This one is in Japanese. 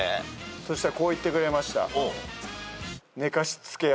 そうしたらこう言ってくれました。